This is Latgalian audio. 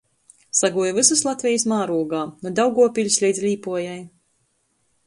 Saguoja vysys Latvejis mārūgā – nu Daugovpiļs leidz Līpuojai.